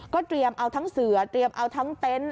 เตรียมเอาทั้งเสือเตรียมเอาทั้งเต็นต์